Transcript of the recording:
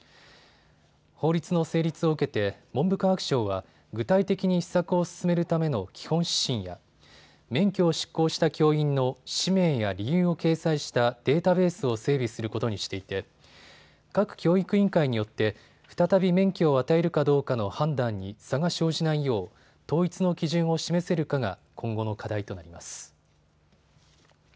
法律の成立を受けて文部科学省は具体的に施策を進めるための基本指針や免許を失効した教員の氏名や理由を掲載したデータベースを整備することにしていて各教育委員会によって再び免許を与えるかどうかの判断に差が生じないよう統一の基準を示せるかが今後の課題となります。